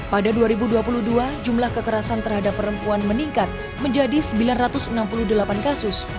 pada dua ribu dua puluh dua jumlah kekerasan terhadap perempuan meningkat menjadi sembilan ratus enam puluh delapan kasus